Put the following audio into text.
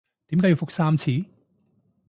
點解要覆三次？